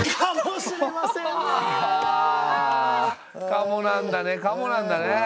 かもなんだねかもなんだね。